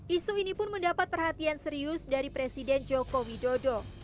isu ini pun mendapat perhatian serius dari presiden joko widodo